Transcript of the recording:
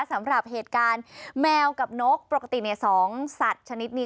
สำหรับเหตุการณ์แมวกับนกปกติ๒สัตว์ชนิดนี้